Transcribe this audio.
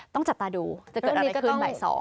ต้องจับตาดูจะเกิดอะไรขึ้นบ่าย๒